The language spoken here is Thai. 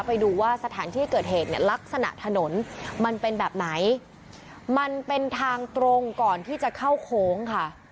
ไปดูว่าสถานที่เกิดเหตุเนี่ยลักษณะถนนมันเป็นแบบไหนมันเป็นทางตรงก่อนที่จะเข้าโค้งค่ะ